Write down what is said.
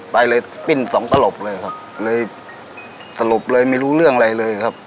ไปเลยปิ้นสองตลบเลยครับเลยสลบเลยไม่รู้เรื่องอะไรเลยครับ